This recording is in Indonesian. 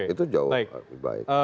itu jauh lebih baik